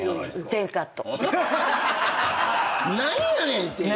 何やねんっていう。